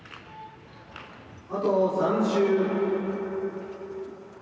「あと３周」。